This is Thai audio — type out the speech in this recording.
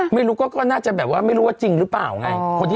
ไม่รู้ก็น่าจะแบบว่าไม่รู้ว่าจริงหรือเปล่าไง